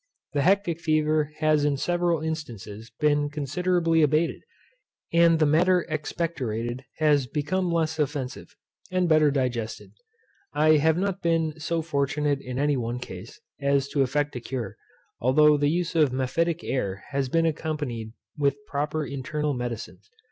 The hectic fever has in several instances been considerably abated, and the matter expectorated has become less offensive, and better digested. I have not yet been so fortunate in any one case, as to effect a cure; although the use of mephitic air has been accompanied with proper internal medicines.